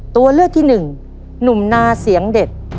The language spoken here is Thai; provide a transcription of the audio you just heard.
ตัวเลือกที่หนึ่งหนุ่มนาเสียงเด็ด